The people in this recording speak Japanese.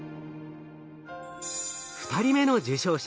２人目の受賞者